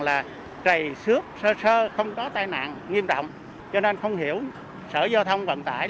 là cày sước sơ sơ không có tai nạn nghiêm trọng cho nên không hiểu sở giao thông vận tải